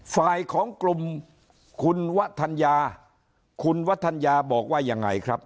ฝ่ายของกลุ่มคุณวะธัญญาคุณวัฒนยาบอกว่ายังไงครับ